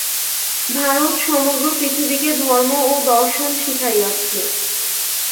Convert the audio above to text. ভারত সমগ্র পৃথিবীকে ধর্ম ও দর্শন শিখাইয়াছে।